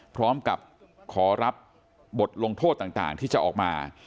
พร้อมกับขอรับบทลงโทษต่างที่จะออกมา